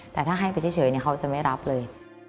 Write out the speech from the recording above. แต่ถ้าให้ไปเฉยเขาจะไม่รับเลย